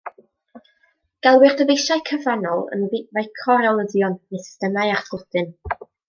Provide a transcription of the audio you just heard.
Gelwir dyfeisiau cyfannol yn ficro reolyddion neu systemau ar sglodyn.